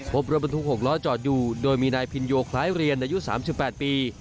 พบรถบรรทุก๖ล้อจอดอยู่โดยมีนายพินโยคล้ายเรียนอายุ๓๘ปี